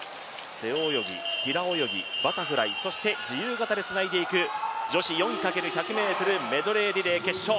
背泳ぎ、平泳ぎ、バタフライ、そして自由形でつないでいく女子４×１００ｍメドレーリレー決勝。